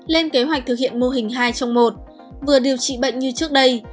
lên kế hoạch thực hiện mô hình hai trong một vừa điều trị bệnh như trước đây